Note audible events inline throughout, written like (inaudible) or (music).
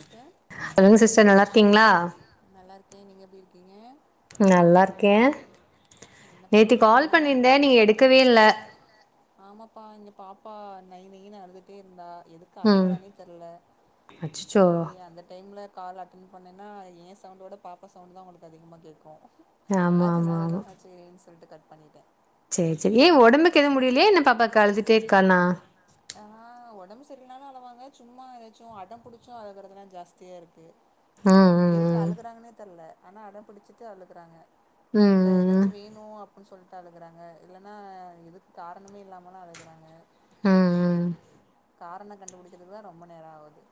Sister லுங்க sister நல்லா இருக்கிங்களா? ஏ நீங்க எப்படி இருக்கீங்க நல்லா இருக்கே. என்ன நேத்தி பண்ணிட்டு கால் இருக்கீங்க பண்ணிருந்தே நீங்க எடுக்கவே இல்ல ப்பா நை நைனு அழுந்துட்டே இருந்தா எதுக்கு ம் அழுகறானே தெரில அச்சச்சோ சேரி அந்த டைமில கால் அட்டன் பண்ணேன்னா ஏ சவுண்டோட பாப்பா சவுண்டு்தா உங்களுக்கு அதிகமாக கேக்கு. ஆமா ஆமா ஆமா. னு சொல்லிட்டு கட் பண்ணிட்டே சரி சரி ஏன் உடம்புக்கு எதுவு முடியலய என்ன பாப்பாக்கு அழுதுட்டே இருக்கானா? ஆஹ உடம்பு சரிலனாலு அழவாங்க சும்மா ஏதாச்சு அடம் பிடிச்சு அழுகுறதெல்லா ஜாஸ்தியா இருக்கு. ம் எதுக்கு ம் அழுகுறாங்கன்னே தெர்ல ஆனா அடம் பிடிச்சிட்டு அழுகுறாங்க ம் இப்ப ம் ம் ஏதாச்சு வேனணு அப் அப்னு சொல்ட்டு அழுகுறாங்க இல்லைனா எதுக்கு காரணமே இல்லாமலா அழுகுறாங்க ஆஹா ம் காரண கண்டுபிடிக்குறது தா ரொம்ப நேர ஆவுது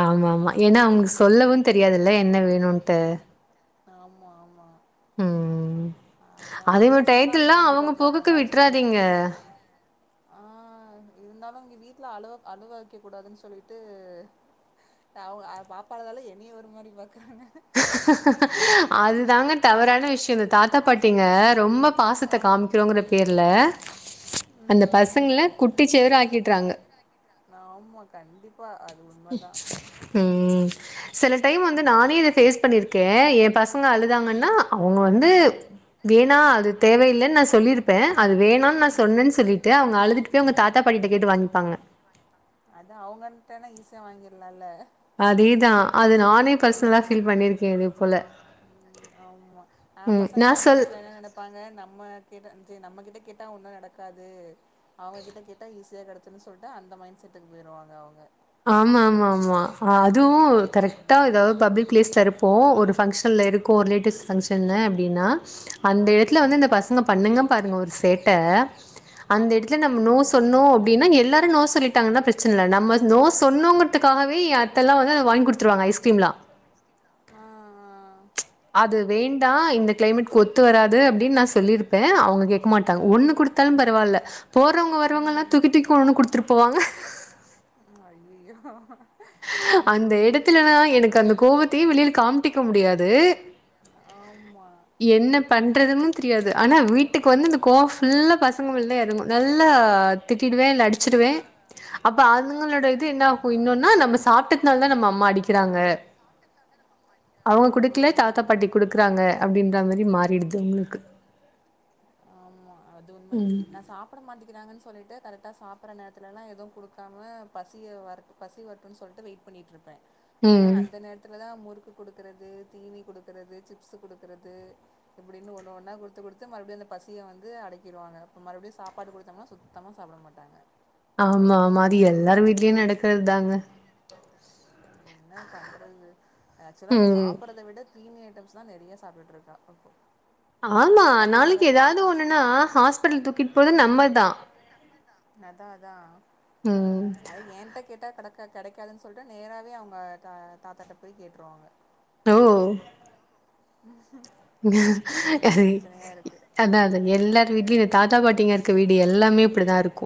ஆமா ஆமா ஏன்னா அவங்க ஸ் சொல்லவு தெரியாதுல்ல என்ன வேணுனு டே ஆமா ஆமா உம் அதா அதவு பசங்கலா டயத்துல்லா அங்கெல்லா அப்டிதா அவுங்க போகுக்கு விட்டுறாதீங்க. ஆஹ இருந்தாலு இங்க வீட்டுல அழுவ அழுவெக்க கூடாதுன்னு சொல்லிட்டு அவ்க பாப்பாதால என்னைய ஒரு மாதிரி பாக்குறாங்க. அதுதாங்க தவறான விஷ்யோந் தாத்தா பாட்டிங்க ரொம்ப பாசத்த ஆமா காமிக்கிறோங்கிற பேர்ல அந்த ம் பசங்களே குட்டி செவுர ஆக்கிட்டுறாங்க. ஆமா கண்டிப் உம். சில டைம் வந்து நானே இத ஃபேஸ் பண்ணிருக்கே ஏ பசங்க அழுதாங்கன்னா அவுங்க வந்து வேணா அது தேவேயில்லனு நா சொல்லிருப்பே அது வேணுணு நா சொன்னேன்னு சொல்லிட்டு அவங்க அழுதுட்டு போய் அவங்க தாத்தா பாட்டிட்ட கேட்டு வாங் பாங்க அது அவுங்கட்டனா ஈஸியா வாங்கிர்லால அதேதா அது நானே பர்ஸ்னலா ஃபீல் பண்ணிருக்கே இதுபோல ம் ஆமா ஆ்ஹ் பசங்ககாரன் சொல் மனசுல என்ன நெனப்பாங்க நம்ம கிட்ட சேர் நம்ம கிட்ட கேட்டா ஒன்னு நடக்காது அவ்ங்க கிட்ட கேட்டா ஈஸியா கெட சின்னுன் சொல்ட்டா அந்த மைண்ட் செட்டுக்கு போயிற்வாங்க அவுங்க ஆமாம் ஆமா ஆது இதுவு கரெக்ட்டா எதாவ் பப்ளிக் பிளேஸ்ல இருப் இப்போ ஒரு ஃபங்க்ஷன்ல இருக்கோ ஒரு ரிலேட்டிவ்ஸ் ஃபங்க்ஷன்ல அப்டின்னா அந்த ம் எடத்துல வந்து இந்த பசங்க பண்ணுங்க பாருங்க ஒரு சேட்ட அந்த எடுத் என் நம் நோ ம் சொன்னோ ம் அப்டினா இங்க எல்லாரு நோ சொல்லிட் தங்னா பிரச்சினல்ல நம்ம நோ சொன்னோங்கிற்துக்காகவே என் அத்தெல்லா வந்து அது வாய்ங் குடுத்துருவாங்க ஐஸ்கிரீம்லா ஆஹ ஆஹ அது வேண்டா இந்த க்ளைமேட்க்கு ஒத்து வராது அப்டின் நா சொல்லிருப்பே அவுங்க கேக் மாட்டாங்க ஒண்ணு ம் குடுத்தாலு பரவால்ல போறவ்ங்க வர்ரவ்ங்கல்லா ம் தூக்கி தூக்கி ஒன்னு குடுத்துருப் போங்க இ யோ அந்த எடத்துலதா எனக்கு அந்த கோவத்தயே வெளில காம்ட்டிக்க முடியாது ஆமா என்ன பண்றதுன்னு தெரியாது ஆனா வீட்டுக்கு வந்து இந்த கோவ் ஃபுல்லா பசங்கள்தா எறங்கு நல்லா திட்டிடுவே இல்ல அடிச்சிடுவே அப்ப அதுங்களோட இது என்ன ஆ ஆகு இன்னுன்னா நம்மஸ் இதுனால் தா நம்ம அம்மா அடிக்கிறாங்க அவுங்க குடுக்கில தாத்தா ம் பாட்டி குடுக்குறாங்க அப்டின்ற மாரி மாறிடுது அவுங்ளுக்கு அது உண்மதா நான் சாப்பட மாட்டிக்கிறாங்கன் சொல்லிட்டு கரெக்ட்டா சாப்பற நேர்த்துலலா எதும் குடுக்காம பசிய வரட்டு பசி வர்ட்டுன் சொல்ட்டு வெயிட் பண்ணிட்ருப் பே ஆனா ம் அந்த நேர்த்துல தா மு குக்கு குடுக்கிறது தீனி குடுக்கிறது சிப்ஸ் குடுக்கிறது இப்புடின்னு ஒன்னு ஒன்னா குடுத்து குடுத்து மறுபடியு அந்த பசிய வந் து அடக்கிடுவாங்க இப்ப மறுபடியு சாப்பாடு குடுத்தம்னா சுத்தமா சாப்ட மாட்டாங்க ஆமா ஆமா அது எல்லாரு வீட்லியு நடக்கற்தாங்க என்ன பண்றது ஆக்சுவலா இப்ப ம் சாப்புறத விட தீனி ஐட்டம்ஸ்தா நெறையா சாப்பிட்டுட்டுருக்கா இப்போ ஆமா அது இவங்க நாளைக்கு எதாவது பாப்பா ஒன்னுன்னா ஹாஸ்பிட்லுக் தூக்கிட் போறது நம்மதா அதா அதா உம் அது என்கிட்ட கேட்டா கடக்கா கெடைக்காதுன் சொல்ட்டு நேராவே அவுங்க தா தாத்தாட்ட போய் கேட்ருவாங்க ஓ முழ்ஸா அதா, அது எல்லார் வீட்லயு இருக் தாத்தா பாட்டிங்க இருக்க வீடு எல்லாமே இப்டிதா இருக்கு.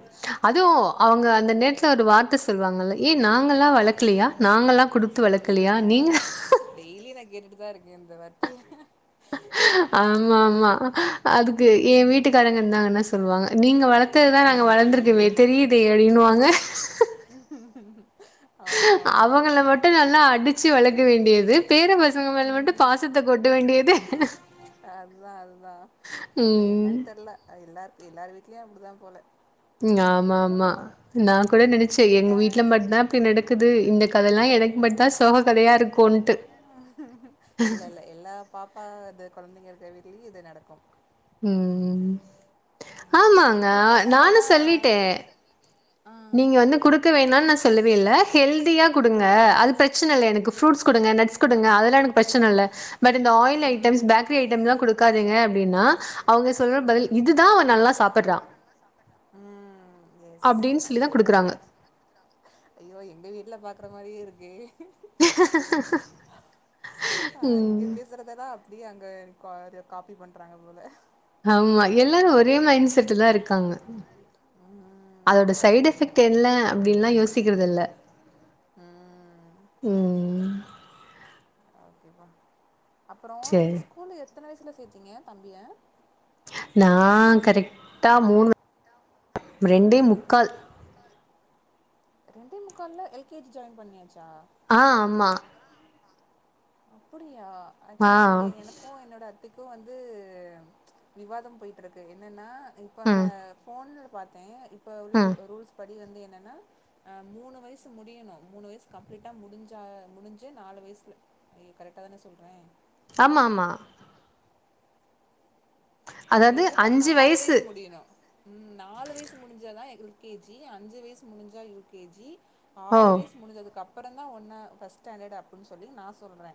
அதுவு அவங்க அந்த அதா அதா நேரத்ல ஒரு வார்த்த சொல்வாங்கலே. ஏ, நாங்க லா வளக்லியா. சோ, அ, நாங்கல்லா குடுத்து வளக்லியா, டெய்லி நா கேட்டுட் தா இருக்க, இந்த வார்த்தைய. ஆமாமா, அதுக்கு எ வீட்டுக்காரங்க இருந்தாங்கன்னா சொல்லுவாங்க. நீங்க வளத் த்துதா நாங்க வளந்துருக்கமே தெரியித் தெரியுனுவாங்க. ஆமா ஆமா அவங்கள மட்டு நல்லா அடிச்சு வளக் இது வேண்டியது. பேர பசங்க மேல மட்டு பாசத்த கொட்ட வேண்டியது. அதுதா அதுதா அது ம் என்னன் தெர்ல அது எல்லார்க் எல்லார் வீட் வீட்லயு அப்டிதா போல. ம் ஆமாமா நா கூட நெனச்ச எங் நீங்க வீட்ல மட்தா இப்டி நடக்குது இந்த கலலா எனக் மட்தாஸ் தோக கதயாருக் இல்ல இல்ல எல்லா பாப்பா அது கொழந்தைங்க இருக்குற வீட் டெய்லி இது நடக்கும் ம் ம் ம் ஆமாங்கா எப்டி நானு பசங்களெல்லா சொல்லிட்டே ஆ நீங்க வந்து குடுக்க வேணான் நா சொல்லவே இல்ல ஹெல்தியாக் குடுங்க அது பிரச்சன இல்ல எனக்கு ஃப்ரூட்ஸ் குடுங்க நட்ஸ் குடுங்க அதெ ல்லா எனக்கு பிரச்சன இல்ல பட் இந்த ஆயில் ஐட்டம்ஸ் பேக்ரி ஐட்டம்ஸ் லா குடு க்காதீங்க அப்டின்னா அவங்க சொல்ற பதில் இது தா அவ நல்லா சாப்புட்றா அப்டின் ஸ் தேதா ஐயோ எங்க வீட்ல பாக் த்த மாரியே இருக்கே ஆ இங்க ம் பேசுறத தா அப்புடியே அங்க கோது காபி பண்றாங்க போல. ஆமா எல்லாரு ஒரே மைண்ட் செட்தா இருக்காங்க. ம் அதோட ஆமா சைடு ஆமா எஃபெக்ட் என்ன அப்படின்னுல்லா யோசிச் யோசிக்கிறது இல்ல. உம் ம் இவ்வம் அப்பறோ சேரி இஸ் ஸ்கூலு எத்தன வயசுல சேத்தீங்க? தம்பியா நா கரெக்டா மூணு ரெண்டே முக்கால். ரெண்டே முக்கால்ல எல் கே ஜி ஜாயின் பண்ணியாச் ஆ ஆமா. அப்படியா? யா ஆ ஆக்சுவலா இங்கே எனக்கு என்னோட அத்தைக் கு வந்து ம்ச் விவாதம் போய்ட்டுருக்கு என்னன்னா இப்ப நா ம் போன்ல பாத்தே இப் இப்ப உள்ள ம் லு ரூல்ஸ் பட் அப்டி வந்து என்னென்னா ஆ மூணு வயசு முடியணு மூணு வயசு கம்ப்ளீட்டா முடிஞ்சா முடிஞ்சு நாலு வயசில ஐயய்யோ கரெக்டா தான சொல்றே. ஆமா ஆமா அதாவது இல்லப்பா அஞ்சு நாலு வயசு முடியணு உம் நாலு வயசு முடிஞ்சாதா எங்களுக்கு கே ஜி அஞ்சு வயசு முடிஞ்சா யூ கே ஜி ஓ ஆறு வயசு முடிஞ்சதுக்கு அப் அப்பறந்தா ஒன்னு ஃபஸ்ட் ஸ்டாண்டட் அப்பிட்ன் சொல்லி நா சொல்றே.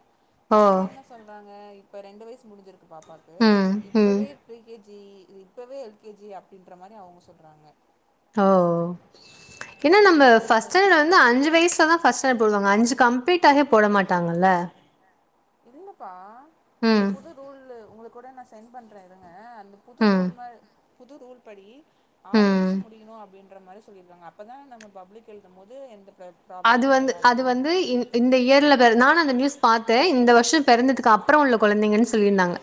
ஓ அவுங்க என்ன சொல்றாங்க இப்ப ரெண்டு வயசு முடிஞ்சிருக்கு பாப்பாக்கு ம் ம் இப்பவே கே ஜி இப்பவே எல் கே ஜி அப்டின்ற மாரி அவுங்க சொல்றாங்க. ஓ என்ன நம்ம ரெண்டு பேருக்கு ஃபர்ஸ்ட் ஸ்டாண்டட் வந்து அஞ்சு வயசுல தா ஃபஸ்ட் ஸ்டாண்ட் போடுவாங்க அஞ்சு (unintelligible) கம்ப்ளீட் ஆக போட மாட்டாங்கல்ல. இல்லப்பா இப்ப ம் புது ரூலு உங்களுக்கூட நா சென் பண்றே இருங்க. அந்த புது ம் ரூல் மார் புது ரூல் படி ஆறு ம் வயசு முடியணும் அப்படின்னு ண்ற மாதிரி சொல்லியிருக்காங்க அப்பதான் நம்ம பப்ளிக் எழுதும் போது எந்த ப்ர அது ப்ராப்ளமு வந்து அது வராது வந்து இ இந்த இயர்ல பிறந்தா இல்ல நியூஸ் பாத்த இந்த வர் வருஷம் பிறந்ததுக்கு அப்புறம் உள்ள குழந்தைங்கன்னு சொல்லியிருந்தாங்க.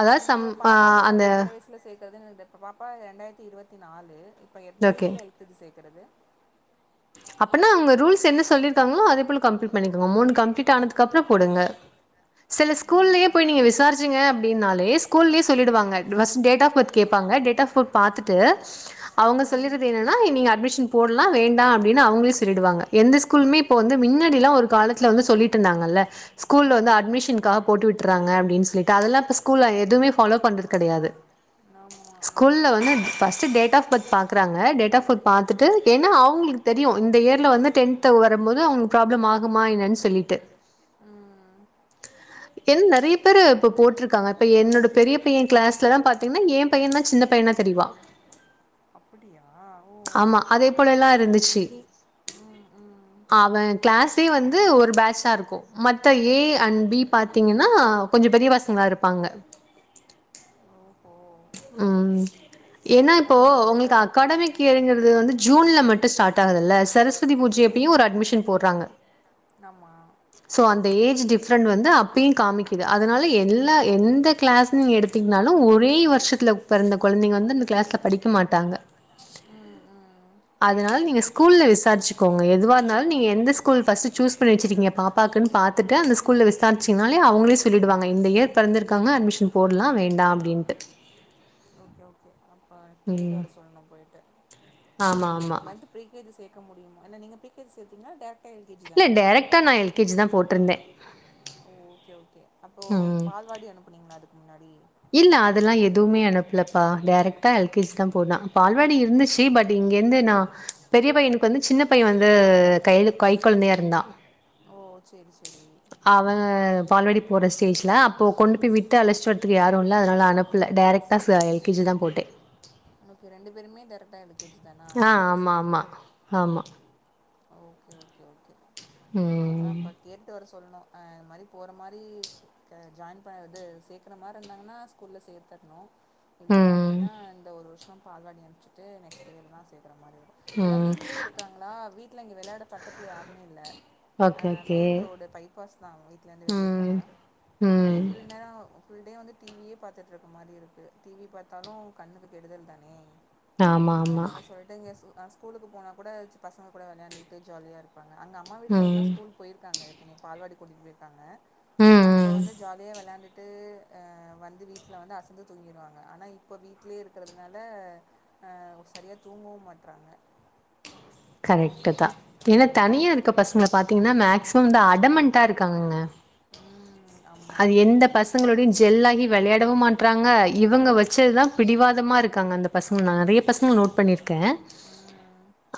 அதாவது இப்போ சம் அ பாப்பாவ அந்த. எந்த (unintelligible) பாப்பா இரண்டாயிரத்தி இருபத்தி நாலு இப்ப எந்த ஓகே வயசல எல் கே ஜி சேர் க்கிறது அப்பனா அங்க ரூல்ஸ் என்ன சொல்லியிருக்காங்களோ அதே போல கம்ப்ளீட் பண்ணிக்கோங்க மூணு கம்ப்ளீட் ஆனதுக்குப்றோ போடுங்க. சில ம் ஸ்கூல்லயே போய் நீங்க விசாரிச்சீங்க அப்படின்னாலு ப்ளே ஸ்கூல்லயே சொல்லிடுவாங்க ஃபர்ஸ்ட் டேட் ஆப் பர்த் கேட்பாங்க டேட் ஆஃப் போய் பார்த்துட்டு அவங்க ம் ம் சொல்லிருது என்னன்னா நீங்க அட்மிஷன் போ ல்லாம் வேண்டா (unintelligible) னு அவங்களே சொல்லிடுவாங்க எந்த ஸ்கூலுமே இப்ப வந்து மின்னாடில்லா ஒரு காலத்துல வந்து சொல்லிட்ருந்தாங்கல்ல. ஸ்கூல்ல வந்து அமிஷன்க்காக போட்டு விட்டுறாங்க அப்பின் சொ ட்டு அதெல்லாம் இப்ப ஸ்கூல்ல எவுமே ஃபாலோ பண்றது கிடையாது. ஆமா ஸ்கூல்ல ம் வந்து ஃபஸ்ட் டேட் ஆஃப் பர்த் பாக்குறாங்க டேட் ஆஃப் பர்த் பாத்துட்டு ஏன்னா அவுங்களுக் இந்த இயர்ல வந்து டென்த் வரும்போது அவங்க ப்ராப்ளம் ஆகுமா என்னன்னு சொல்லிட்டு ம் ஏன் நெறைய பேரு இப்ப போட்டிருக்காங்க இப்ப என்னோட பெரிய பையன் கிளாஸ்லா பாத்தீங்கன்னா என் பையன தா சின்ன பையனா தெரியவா. அப்படியா ஓ ஆமா அதே போல எல்லாம் இருந்துச்சு ம் ம் அவன் கிளாஸே வந்து ஒரு பேட்சா இருக்கு, ம ஏ அண்ட் பி பாத்தீங்கன்னா கொஞ்சோ பெரிய பசங்களா இருப்பாங்க. ஓஹோ ஓகே உம் ஓகே இப்ப ஏன்னா எனக்கு அதா இப்போ டவுட்டா உங்களுக்கு இருக்கு அகாடமிக் இயர்ங்கிறது வந்து ஜூன்ல மட்டும் ஸ்டார்ட் ஆகுதல்ல சரஸ்வதி பூஜை ம் யப்பயும் ஒரு அட்மிஷன் போடுறாங்க, ஆமா சோ அந்த ஏஜ் டிஃப் டிப்ரண்ட் வந்து அப்பயும் காமிக்குது அதனால எல்லா எந்த கிளாஸ்னு எடுத்திங்கனாலும் ஒரே வருஷத்துல பிறந்த குழந்தைங்க வந்து அந்த கிளாஸ்ல படிக்க மாட்டாங்க. ம் ம் அதனால நீங்க ஸ் ஸ்கூல்ல விசாரிச்சிக்கோங்க எதுவா இருந்தாலு நீ எந்த ஸ்கூல் ஃபஸ்ட சூஸ் பண்ணி வச்சுருக்கீங்க பாப்பாக்குன் பார்த்துட்டு அந்த ஸ்கூல விசாரிச்சீங்கனாலே அவங்களே சொல்லிடுவாங்க இந்த இயர் பிறந்திருக்காங்க அட்மிஷன் போடலாம் வேண்டா அப்படின்ட்டு. ஓகே ஓகே ஆமா. ப்போ கேட்டு ம் வர சொல்லணும் போயிட்டு ஆமா இப்போ நெக்ஸ்ட் ஆமா மந்த் ப்ரீ கே ஜி சே க்க முடியும் ஏன்னா நீங்க ப்ரீகேஜி சேத்தீங்கன்னா டைர இல்ல டேரக்டா நான் எல் கே ஜி தான் போடு ன்றுந்த ஓகே ஓகே அப்போ ம் பால்வாடி அனுப்புனீங்களா அது முன்னாடி இல்ல அதெல்லா எதுவுமே அனுப்புலப்பா டேரக்டா எல் கே ஜி தான் போனா பால்வாடி ஓ இருந்திச்சி பட் இங்கிந்து நான் ம் பெரிய பையனுக் வந்து சின்ன பைய வந்து கைல கை கொழந்தையா இருந்தான் ஓ சரி சரி அவங்கே பால்வாடி போற ஸ்டேஜ்ல அப்போ கொண்டு போய் விட்டு அழச்சுட்டு வர்றதுக்கு யாரூ இல்ல அதனால அனுப்புல. டேரெக்ட்டா ச எல் கே ஜில்ல தா போட்டே ஒன்னுக்கு ரெண்டு பேருமே தர்ட்டாருக் ஆஹ் ஆமா ஆமா ஆமா ஓகே ஓகே ஓகே அதான் ம் இப்ப கேட்டு வர சொ சொல்லணும் ஆஹ் இந்த மாரி போற மாரி க ஜாயின் ப து சேக்கற மாரி இருந்தாங்கன்னா ஸ்கூல்ல சேத்தர்ணும். இல்ல ம் அப்டின்னா இந்த ஒரு வருஷோ பால்வாடி அனுப்சிட்டு நெக்ஸ்ட் இயர் தா ஸேக் இக்கற மாரி வரூ ஏன்னா ம் வீட்லே இருக்காங்களா வீட் ட்ல இங்க வெளாட பக்கத்ல யாருமே இல்ல அ okay okay main road bypass தா வீட்டுல இருந்து வெளிய ம் போனா டீ ம் ஃப்புல் நேரோ ஃபுல்டே வந்து டிவியே பாத்திட்ருக்க மாதி இருக்கு டிவி பாத்தாலூ கண்ணுக்கு கெடுதல் தானே. ஆமா ஆமா அதனால சொல்லிட்டு இங்க சு நா ஸக்கூலுக்கு போனா கூட வச்ச பசங்க கூட வெளயாண்ட்கிட்டு ஜாலியா இரு பாங்க அங்க அம்மா வீடு சைட்லா ம் ஸ்கூல் போயிருக்காங்க ஏற்கனே பால்வாடி கூட்டிட்டு போய்ருக்காங்க ம் அங்க ம் வந்து ஜாலியா வெளயாண்ட் ட்டு ஆஹ் வந்து வீட்டுல வந்து அசந்து தூங்கிடுவாங்க. ஆனா இப்ப வீட்லியே இருக்கிறதுனால ம் சரியா தூங்கவும் மாட்றாங்க கரெக்ட் தா. ஏனா தனியா இருக்க பசங்கல பாத்தீங்கன்னா மேக்சிமம் இந்த அடமண்ட்டா இருக்காங்கங்க. ம் ஆமாம் அது எந்த பசங்களுடையு ஜெல்லாகி வெளையாடவூ மாட் பரங்காய் இவுங்க வச்சதுதா பிடிவாதமா இருக்காங்க அந்த பசங்க நா நெறய பசங்ள நோட் பண்ணிருக்கே. அ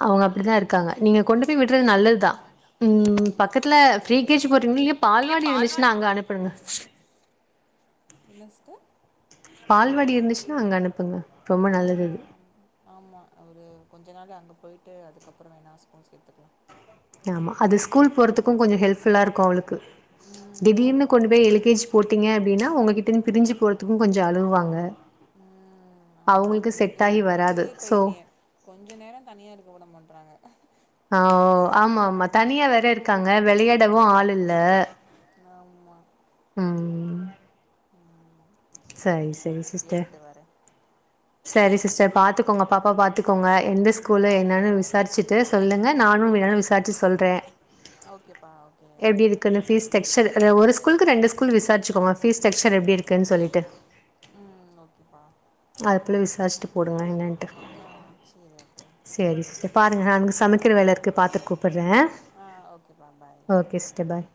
அவங்க அப்படிதா இருக்காங்க. நீங்க கொண்டு போய் விட்றது நல்லதுதா. உம் ஆமாம் பக்கத்துலே ஃப்ரீ போயிட்டு கே ஜி வரணும் போட்றீங்களோ இல்லியோ பால்வாடி இருந்துச்சின்னா அங்க அனுப்பிடுங்க. என்ன ஸ்டர். பால்வாடி இருந்துச்சுன்னா அங்க அனுப்புங்க. ரொம்ப ஆ நல்லது இது இதனால அங்க போயிட்டு அதுக்கப்றோ வேணா ஸ்கூல் சேத்துக்கலா. ஆமா அது ஸ்கூல் போறதுக்கு கொஞ்சோ ஹெல்ப்ஃபுல்லா இருக்கு அவளுக்கு. ம் திடீர்னு ஆமாம் கொண்டு போய் எல்க்கேஜ் போட்டீங்க அப்டினா உங்ககிட் பிரிஞ்சு போறதுக்கோ கொஞ்சோ அழுவாங்க. ம் ஆமா அவுங்குளுக்கு இங்க செட் ஆகி வராது வீட்லயே இப்ப சோ என்னைய கொஞ்சோ நேரோ தனியா இருக்க விட மாட் ட்ராங்க ஹ ஒ ஆமா-ஆமா தனியா வேற தூங்குற இருக்காங்க வெளையாடவு ஆள் இல்ல. ஆம்மா ம் சரி ஓகே சரி நா சிஸ்டர். கேட்டுட்டு வரே சரி சிஸ்டர் பாத்துக்கோங்க பாப்பா பாத்துக்கோங்க எந்த ஆ ஸ்கூலு என்னன்னு ஓகேப்பா விசாரிச்சுட்டு சொல்லுங்க நானு வேணாலு விசாரிச்சு சொல்றே ஓகேப்பா ஓகே எப்டி இருக்குன்னு ஃபீஸ் ஸ்டக்சர் ஒரு ஸ்கூலுக்கு ரெண்டு ஸ்கூல் விசாரிச்சுக்கோங்க ஃபீஸ்டேக்சர் எப்டி இருக்குன் சொல்லிட்டு. ம் ஓகேப்பா. நாளு பேள விசாஸ்டு போடுங்க என்ன ஆ சரி ஓகே சேரி சிஸ்டர் பாருங்க ம் அங் சரி சமக்கிற ஆ வேல இருக்கு பாத்துட் கூப்புறே ஆ ஓகேப்பா பாய் ஓகே சிஸ்டர் பாய்.